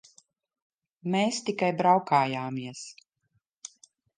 Mēs tikai braukājāmies.